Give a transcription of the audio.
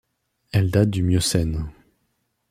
Elle date du Miocène.